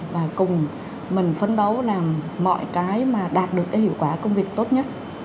và cùng mình phấn đấu làm mọi cái mà đạt được cái hiệu quả công việc tốt nhất